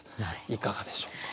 いかがでしょうか？